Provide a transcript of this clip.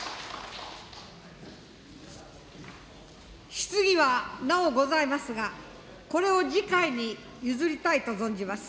質疑はなおございますが、これを次会に譲りたいと存じます。